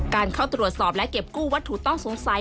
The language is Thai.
เข้าตรวจสอบและเก็บกู้วัตถุต้องสงสัย